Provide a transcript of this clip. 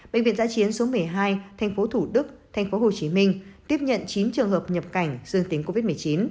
bệnh viện giã chiến số một mươi hai thành phố thủ đức thành phố hồ chí minh tiếp nhận chín trường hợp nhập cảnh dương tính covid một mươi chín